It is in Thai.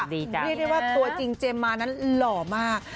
เรียกได้ว่าตัวจริงเจมส์มานั้นหล่อมาก